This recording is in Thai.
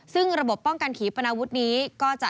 ซึ่งระบบป้องกันขีปนาวุฒินี้ก็จะ